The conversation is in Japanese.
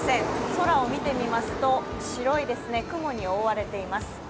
空を見てみますと白いですね、雲に覆われています。